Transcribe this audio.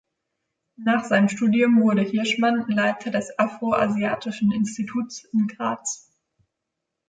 Nach seinem Studium wurde Hirschmann Leiter des Afro-Asiatischen Instituts in Graz.